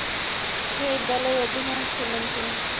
সেই দলের অধিনায়ক ছিলেন তিনি।